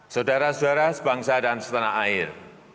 saudara saudara sebangsa dan setanah air